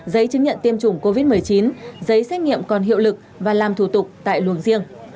giấy chứng nhận tiêm chủng covid một mươi chín giấy xét nghiệm còn hiệu lực và làm thủ tục tại luồng riêng